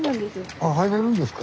あ入れるんですか。